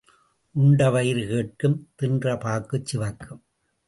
உண்ட வயிறு கேட்கும் தின்ற பாக்குச் சிவக்கும்.